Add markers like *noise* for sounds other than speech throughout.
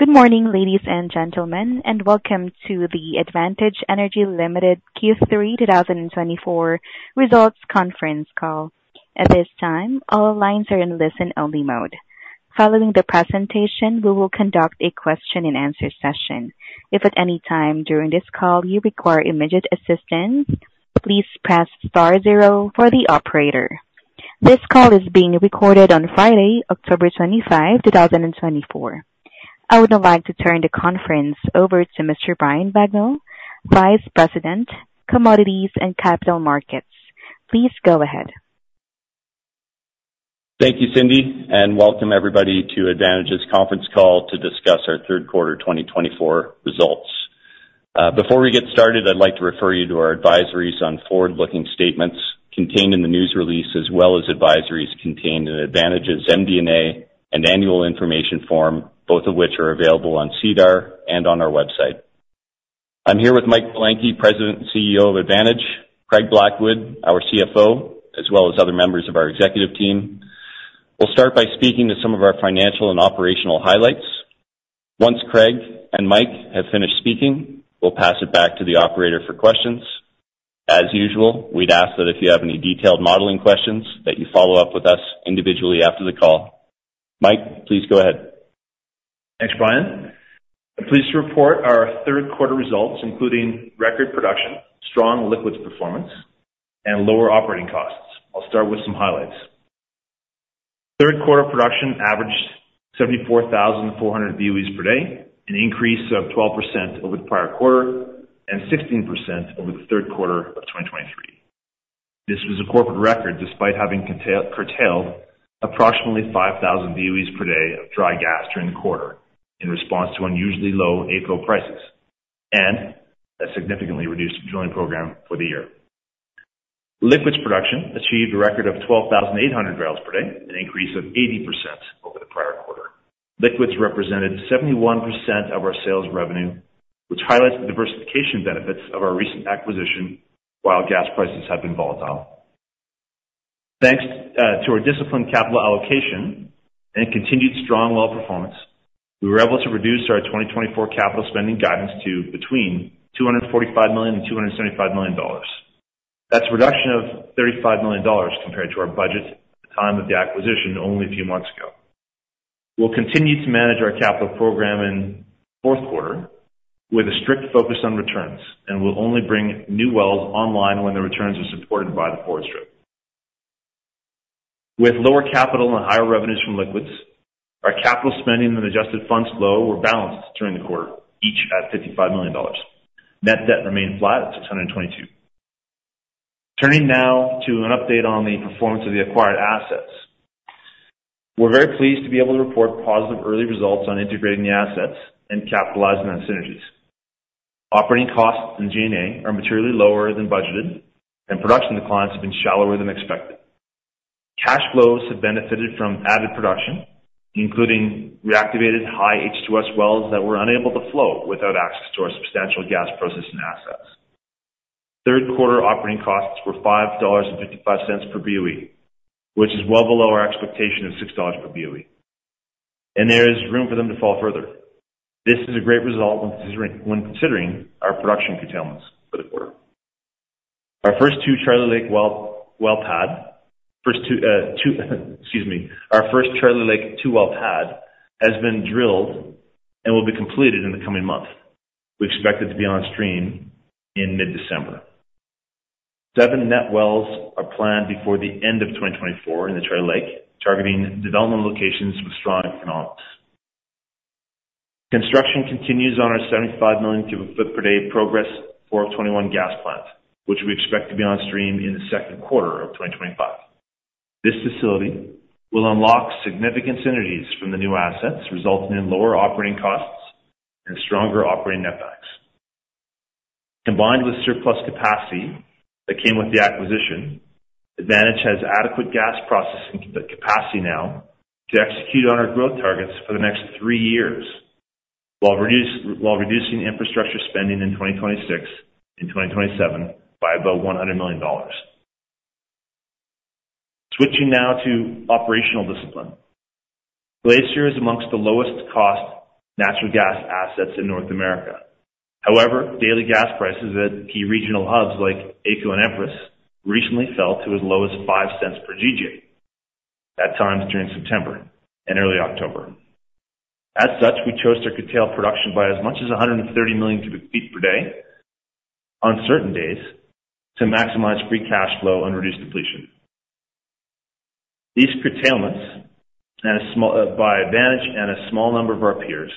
Good morning, ladies and gentlemen, and welcome to the Advantage Energy Ltd Q3 2024 Results Conference Call. At this time, all lines are in listen-only mode. Following the presentation, we will conduct a question-and-answer session. If at any time during this call you require immediate assistance, please press star zero for the operator. This call is being recorded on Friday, October 25, 2024. I would now like to turn the conference over to Mr. Brian Bagnell, Vice President, Commodities and Capital Markets. Please go ahead. Thank you, Cindy, and welcome everybody to Advantage's conference call to discuss our third quarter 2024 results. Before we get started, I'd like to refer you to our advisories on forward-looking statements contained in the news release, as well as advisories contained in Advantage's MD&A and annual information form, both of which are available on SEDAR and on our website. I'm here with Mike Belenkie, President and CEO of Advantage, Craig Blackwood, our CFO, as well as other members of our executive team. We'll start by speaking to some of our financial and operational highlights. Once Craig and Mike have finished speaking, we'll pass it back to the operator for questions. As usual, we'd ask that if you have any detailed modeling questions, that you follow up with us individually after the call. Mike, please go ahead. Thanks, Brian. I'm pleased to report our third quarter results, including record production, strong liquids performance, and lower operating costs. I'll start with some highlights. Third quarter production averaged 74,400 BOEs per day, an increase of 12% over the prior quarter and 16% over the third quarter of 2023. This was a corporate record, despite having curtailed approximately 5,000 BOEs per day of dry gas during the quarter in response to unusually low AECO prices and a significantly reduced drilling program for the year. Liquids production achieved a record of 12,800 barrels per day, an increase of 80% over the prior quarter. Liquids represented 71% of our sales revenue, which highlights the diversification benefits of our recent acquisition, while gas prices have been volatile. Thanks to our disciplined capital allocation and continued strong well performance, we were able to reduce our 2024 capital spending guidance to between 245 million and 275 million dollars. That's a reduction of 35 million dollars compared to our budget at the time of the acquisition only a few months ago. We'll continue to manage our capital program in fourth quarter with a strict focus on returns, and we'll only bring new wells online when the returns are supported by the forward strip. With lower capital and higher revenues from liquids, our capital spending and adjusted funds flow were balanced during the quarter, each at 55 million dollars. Net debt remained flat at 622 million. Turning now to an update on the performance of the acquired assets. We're very pleased to be able to report positive early results on integrating the assets and capitalizing on synergies. Operating costs and G&A are materially lower than budgeted, and production declines have been shallower than expected. Cash flows have benefited from added production, including reactivated high H2S wells that were unable to flow without access to our substantial gas processing assets. Third quarter operating costs were 5.55 dollars per BOE, which is well below our expectation of 6 dollars per BOE, and there is room for them to fall further. This is a great result when considering our production curtailments for the quarter. Our first Charlie Lake 2-well pad has been drilled and will be completed in the coming months. We expect it to be on stream in mid-December. Seven net wells are planned before the end of 2024 in the Charlie Lake, targeting development locations with strong economics. Construction continues on our 75 million cu ft per day Progress 4-21 gas plant, which we expect to be on stream in the second quarter of 2025. This facility will unlock significant synergies from the new assets, resulting in lower operating costs and stronger operating netbacks. Combined with surplus capacity that came with the acquisition, Advantage has adequate gas processing capacity now to execute on our growth targets for the next three years, while reducing infrastructure spending in 2026 and 2027 by about 100 million dollars. Switching now to operational discipline. Glacier is among the lowest cost natural gas assets in North America. However, daily gas prices at key regional hubs like AECO and Empress recently fell to as low as 0.05 per GJ at times during September and early October. As such, we chose to curtail production by as much as 130 million cu ft per day on certain days to maximize free cash flow and reduce depletion. These curtailments by Advantage and a small number of our peers,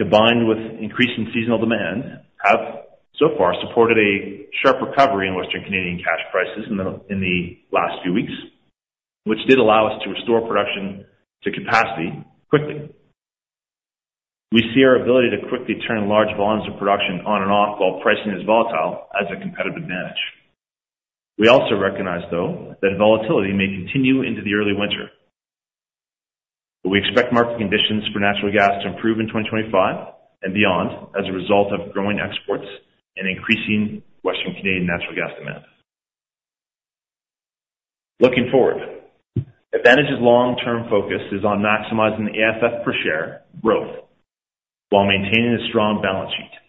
combined with increasing seasonal demand, have so far supported a sharp recovery in Western Canadian cash prices in the last few weeks, which did allow us to restore production to capacity quickly. We see our ability to quickly turn large volumes of production on and off while pricing is volatile as a competitive advantage. We also recognize, though, that volatility may continue into the early winter, but we expect market conditions for natural gas to improve in 2025 and beyond as a result of growing exports and increasing Western Canadian natural gas demand. Looking forward, Advantage's long-term focus is on maximizing the AFF per share growth while maintaining a strong balance sheet.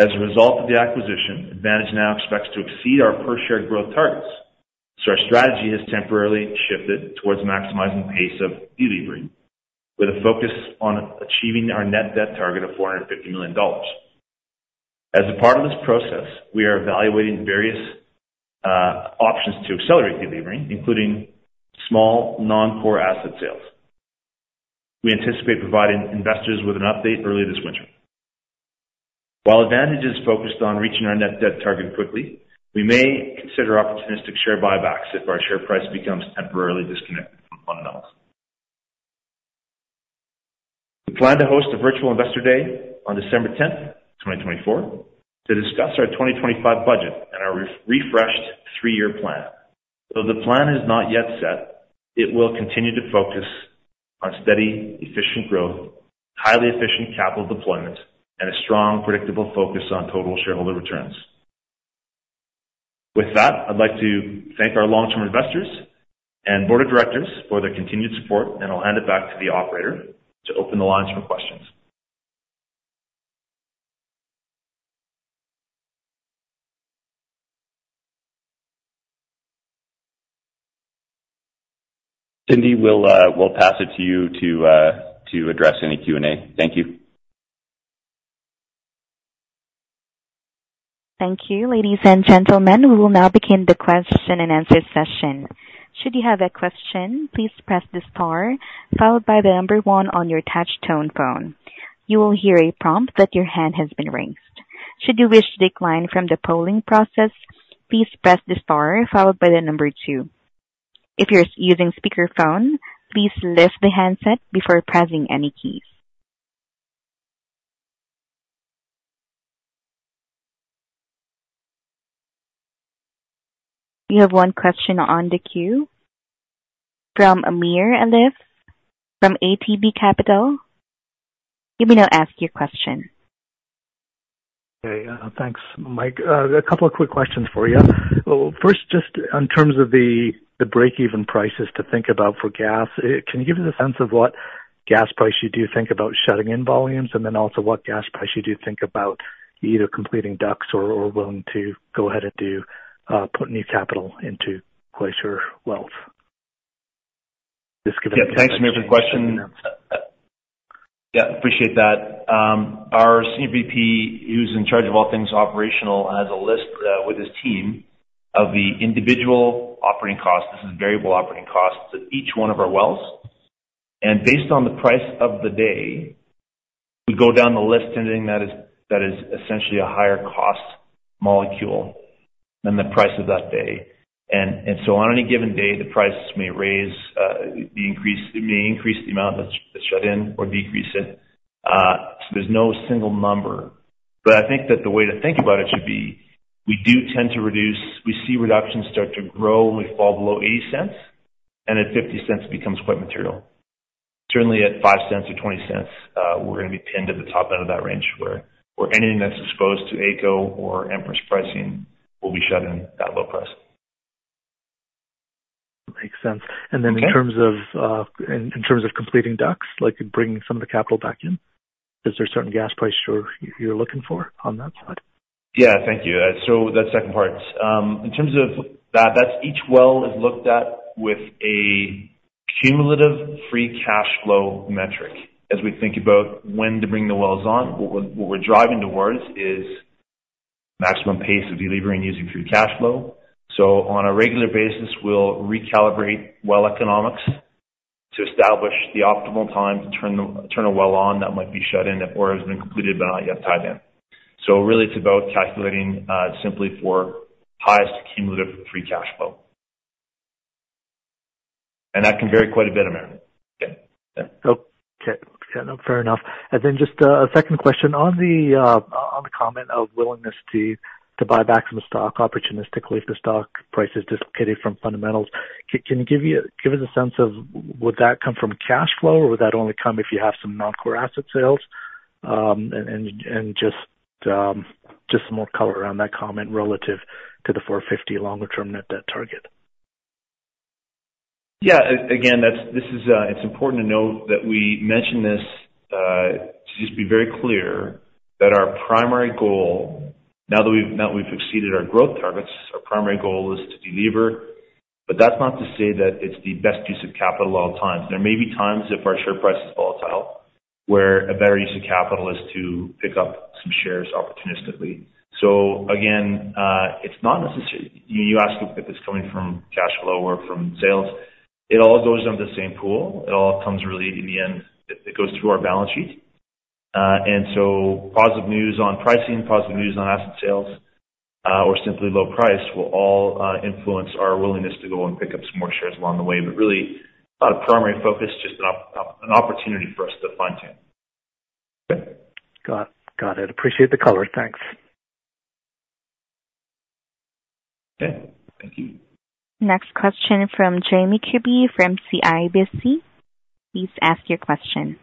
As a result of the acquisition, Advantage now expects to exceed our per share growth targets, so our strategy has temporarily shifted towards maximizing the pace of delevering, with a focus on achieving our net debt target of 450 million dollars. As a part of this process, we are evaluating various options to accelerate delevering, including small non-core asset sales. We anticipate providing investors with an update early this winter. While Advantage is focused on reaching our net debt target quickly, we may consider opportunistic share buybacks if our share price becomes temporarily disconnected from fundamentals. We plan to host a virtual Investor Day on December 10th, 2024, to discuss our 2025 budget and our refreshed three-year plan. Though the plan is not yet set, it will continue to focus on steady, efficient growth, highly efficient capital deployment, and a strong, predictable focus on total shareholder returns. With that, I'd like to thank our long-term investors and board of directors for their continued support, and I'll hand it back to the operator to open the lines for questions. Cindy, we'll pass it to you to address any Q&A. Thank you. Thank you, ladies and gentlemen. We will now begin the question-and-answer session. Should you have a question, please press the star followed by the number one on your touch tone phone. You will hear a prompt that your hand has been raised. Should you wish to decline from the polling process, please press the star followed by the number two. If you're using speakerphone, please lift the handset before pressing any keys. You have one question on the queue from Amir Arif from ATB Capital. You may now ask your question. Hey, thanks. Mike, a couple of quick questions for you. First, just in terms of the break-even prices to think about for gas, can you give us a sense of what gas price you do think about shutting in volumes? And then also, what gas price you do think about either completing DUCs or willing to go ahead and do put new capital into Glacier wells? Yeah. Thanks, Amir, for the question. Yeah, appreciate that. Our CVP, who's in charge of all things operational, has a list with his team of the individual operating costs, this is variable operating costs, of each one of our wells, and based on the price of the day, we go down the list anything that is essentially a higher cost molecule than the price of that day. And so on any given day, the prices may rise, be increased. It may increase the amount that's shut in or decrease it. So there's no single number. But I think that the way to think about it should be, we do tend to reduce. We see reductions start to grow when we fall below 0.80, and at 0.50 becomes quite material. Certainly at 0.05 or 0.20, we're gonna be pinned at the top end of that range, where anything that's exposed to AECO or Empress pricing will be shut in at that low price. Makes sense. Okay. And then in terms of completing DUCs, like bringing some of the capital back in, is there a certain gas price you're looking for on that side? Yeah, thank you. So that second part, in terms of that, that's each well is looked at with a cumulative free cash flow metric as we think about when to bring the wells on. What we're driving towards is maximum pace of delevering using free cash flow. So, on a regular basis, we'll recalibrate well economics to establish the optimal time to turn the, turn a well on that might be shut in or has been completed but not yet tied in. So, really, it's about calculating, simply for highest cumulative free cash flow. And that can vary quite a bit, Amir. Yeah. Okay. Yeah, no, fair enough. And then just a second question. On the comment of willingness to buy back some stock opportunistically if the stock price is dislocated from fundamentals, can you give us a sense of would that come from cash flow, or would that only come if you have some non-core asset sales? And just some more color around that comment relative to the 450 million longer term net debt target. Yeah. Again, that's this is. It's important to note that we mention this to just be very clear that our primary goal, now that we've exceeded our growth targets, our primary goal is to delever. But that's not to say that it's the best use of capital at all times. There may be times, if our share price is volatile, where a better use of capital is to pick up some shares opportunistically. So again, it's not necessary. You asked if it's coming from cash flow or from sales. It all goes into the same pool. It all comes really in the end, it goes through our balance sheet. And so positive news on pricing, positive news on asset sales, or simply low price will all influence our willingness to go and pick up some more shares along the way. But really, not a primary focus, just an opportunity for us to fine-tune. Okay? Got it. Appreciate the color. Thanks. Okay, thank you. Next question from Jamie Kubik, from CIBC. Please ask your question.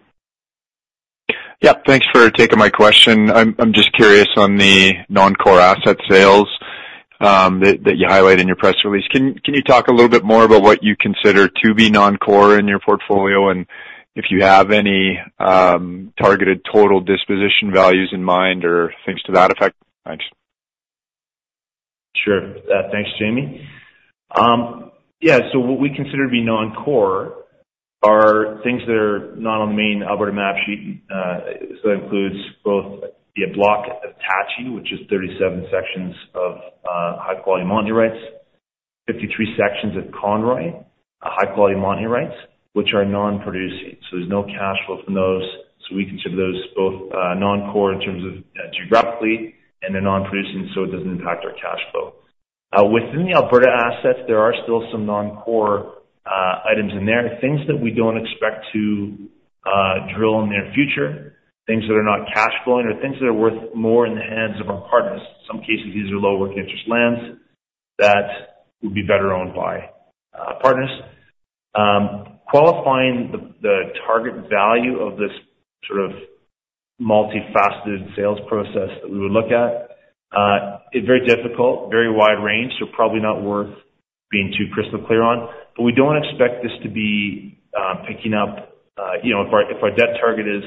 Yeah, thanks for taking my question. I'm just curious on the non-core asset sales that you highlight in your press release. Can you talk a little bit more about what you consider to be non-core in your portfolio? And if you have any targeted total disposition values in mind or things to that effect? Thanks. Sure. Thanks, Jamie. Yeah, so what we consider to be non-core are things that are not on the main Alberta map sheet. So, that includes both the block at, *audio distortion* which is 37 sections of high quality Montney rights, 53 sections at Conroy, high quality Montney rights, which are non-producing, so there's no cash flow from those. So, we consider those both non-core in terms of geographically, and they're non-producing, so it doesn't impact our cash flow. Within the Alberta assets, there are still some non-core items in there, things that we don't expect to drill in the near future, things that are not cash flowing or things that are worth more in the hands of our partners. In some cases, these are low working interest lands that would be better owned by partners. Qualifying the target value of this sort of multifaceted sales process that we would look at is very difficult, very wide range, so probably not worth being too crystal clear on. But we don't expect this to be picking up, you know, if our debt target is,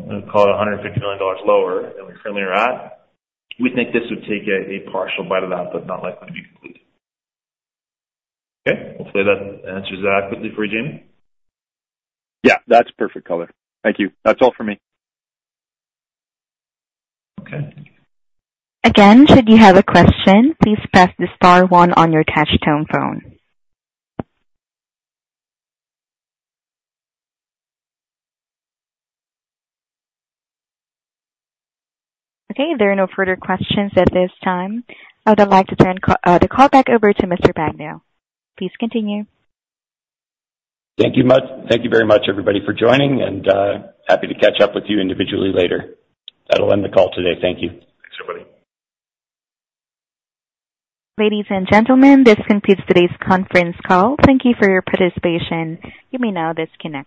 let's call it 150 million dollars lower than we currently are at, we think this would take a partial bite of that, but not likely to be complete. Okay, hopefully that answers that quickly for you, Jamie. Yeah, that's perfect color. Thank you. That's all for me. Okay. Again, should you have a question, please press the star one on your touch-tone phone. Okay, there are no further questions at this time. I would like to turn the call back over to Mr. Bagnell. Please continue. Thank you very much, everybody, for joining, and happy to catch up with you individually later. That'll end the call today. Thank you. Thanks, everybody. Ladies and gentlemen, this concludes today's conference call. Thank you for your participation. You may now disconnect.